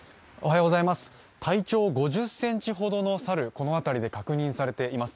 体長５０ｃｍほどの猿、この辺りで確認されています。